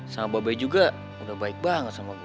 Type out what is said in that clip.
sama mba be juga udah baik banget sama gue